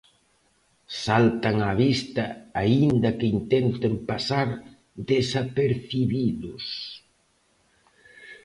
Saltan á vista aínda que intenten pasar desapercibidos.